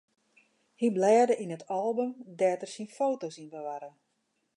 Hy blêde yn it album dêr't er syn foto's yn bewarre.